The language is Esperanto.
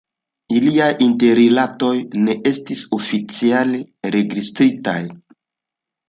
Iliaj interrilatoj ne estis oficiale registritaj.